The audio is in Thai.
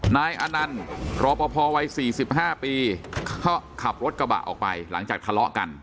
นายอนันต์รอปภวัย๔๕ปีเขาขับรถกระบะออกไปหลังจากทะเลาะกัน